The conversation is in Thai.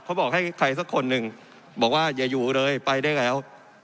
บอกให้ใครสักคนหนึ่งบอกว่าอย่าอยู่เลยไปได้แล้ว